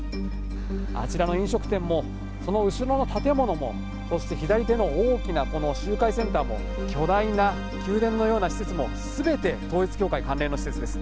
あちらの飲食店も、その後ろの建物も、そして左手の大きなこの集会センターも、巨大な宮殿のような施設も、すべて統一教会関連の施設です。